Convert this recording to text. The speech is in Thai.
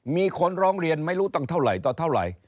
มีคนร้องเรียนไม่รู้ตั้งเท่าไหร่ต่อเท่าไหร่